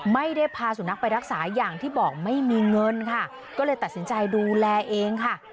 ไม่ได้พาสุนัขไปรักษาอย่างที่บอกไม่มีเงินค่ะก็เลยตัดสินใจดูแลเองค่ะ